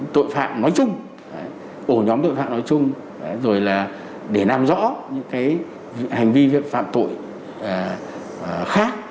tội phạm nói chung ổ nhóm tội phạm nói chung rồi là để làm rõ những hành vi phạm tội khác